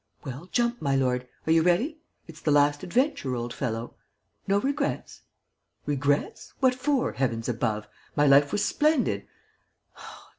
... Well, jump, my lord. ... Are you ready? It's the last adventure, old fellow. No regrets? Regrets? What for, heavens above? My life was splendid.